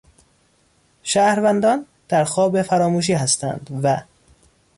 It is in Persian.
شهروندان در خواب فراموشی هستند و...